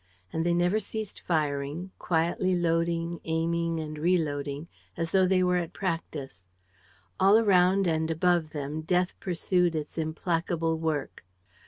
And they never ceased firing, quietly loading, aiming and reloading, as though they were at practise. All around and above them death pursued its implacable work.